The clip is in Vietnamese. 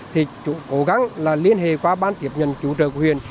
thì chúng cố gắng liên hệ qua bán kiệp nhận cứu trợ của huyền